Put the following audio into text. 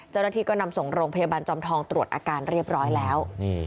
เจ้าหน้าที่ก็นำส่งโรงพยาบาลจอมทองตรวจอาการเรียบร้อยแล้ว